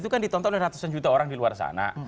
itu kan ditonton oleh ratusan juta orang di luar sana